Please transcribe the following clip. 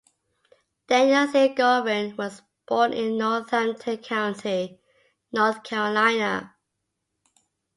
Daniel C. Govan was born in Northampton County, North Carolina.